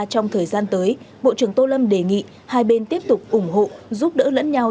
trong thời gian tới bộ trưởng tô lâm đề nghị hai bên tiếp tục ủng hộ giúp đỡ lẫn nhau